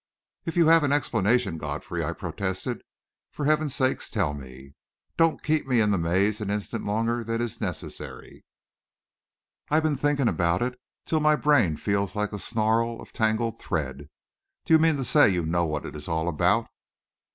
"If you have an explanation, Godfrey," I protested, "for heaven's sake tell me! Don't keep me in the maze an instant longer than is necessary. I've been thinking about it till my brain feels like a snarl of tangled thread. Do you mean to say you know what it is all about?"